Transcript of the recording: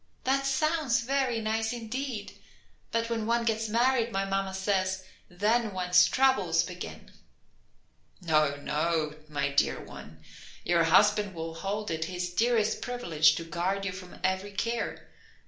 "That sounds very nice, indeed. But when one gets married, my mamma says, then one's troubles begin." "No, no, my dear one. Your husband will hold it his dearest privilege to guard you from every care.